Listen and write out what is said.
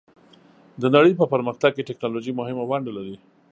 د نړۍ په پرمختګ کې ټیکنالوژي مهمه ونډه لري.